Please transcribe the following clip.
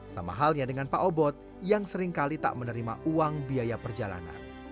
sama halnya dengan pak obot yang seringkali tak menerima uang biaya perjalanan